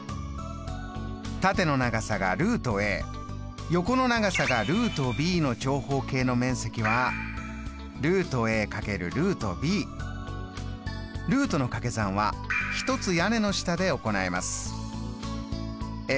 縦の長さが横の長さがの長方形の面ルートのかけ算は一つ屋根の下で行います。